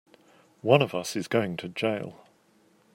One of us is going to jail!